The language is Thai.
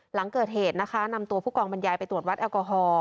หลังเกิดเหตุนะคะนำตัวผู้กองบรรยายไปตรวจวัดแอลกอฮอล